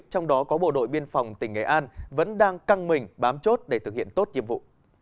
trong đó có bộ đội biên phòng tỉnh nghệ an vẫn đang căng mình bám chốt để thực hiện tốt nhiệm vụ